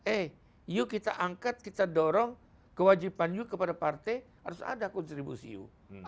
eh yuk kita angkat kita dorong kewajiban yuk kepada partai harus ada kontribusi yuk